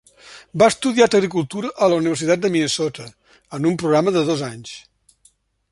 Va estudiar agricultura a la Universitat de Minnesota en un programa de dos anys.